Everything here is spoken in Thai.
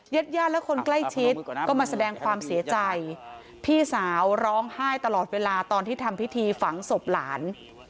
ญาติญาติและคนใกล้ชิดก็มาแสดงความเสียใจพี่สาวร้องไห้ตลอดเวลาตอนที่ทำพิธีฝังศพหลาน